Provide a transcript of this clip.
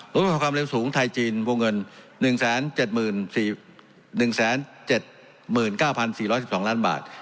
ด้วยความเร็วสูงไทยจีนวงเงิน๑๗๑๗๙๔๑๒ล้านบาท